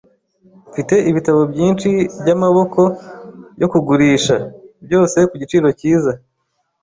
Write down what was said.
Mfite ibitabo byinshi byamaboko yo kugurisha, byose ku giciro cyiza.